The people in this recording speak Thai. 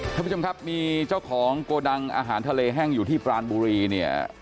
ท่านผู้ชมครับมีเจ้าของโกดังอาหารทะเลแห้งอยู่ที่ปรานบุรีเนี่ย